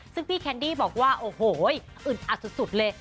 ซึ่งพี่แคนดี้บอกว่าโอ้โหอึดอัดสุดเลย